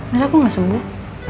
masa aku gak sembuh